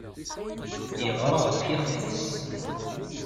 Yeɣra ɣef yixef-is.